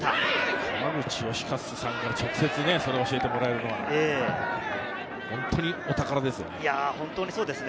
川口能活さんから直接それを教えてもらえるのは本当にお宝ですよね。